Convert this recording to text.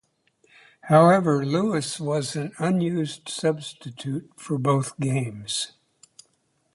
However, Lewis was an unused substitute for both games.